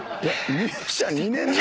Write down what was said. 入社２年目。